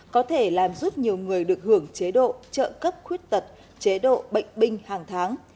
có thể làm giúp nhiều người được hưởng chế độ trợ cấp khuyết tật chế độ bệnh binh hàng tháng